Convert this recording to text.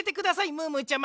ムームーちゃま。